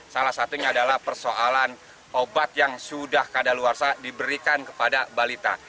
salah satunya adalah persoalan obat yang sudah kadaluarsa diberikan kepada balita